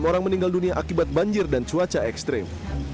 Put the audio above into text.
enam orang meninggal dunia akibat banjir dan cuaca ekstrem